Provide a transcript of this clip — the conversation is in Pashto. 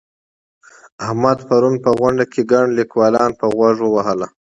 احمد پرون په غونډه کې ګڼ ليکوالان په غوږ ووهل.